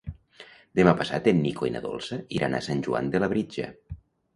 Demà passat en Nico i na Dolça iran a Sant Joan de Labritja.